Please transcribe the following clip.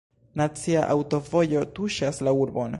Nacia aŭtovojo tuŝas la urbon.